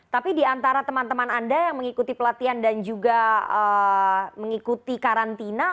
tapi diantara teman teman anda yang mengikuti pelatihan dan juga mengikuti karantina